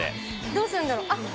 どうするんだろう？